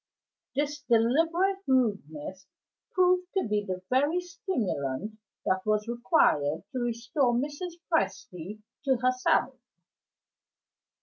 This deliberate rudeness proved to be the very stimulant that was required to restore Mrs. Presty to herself.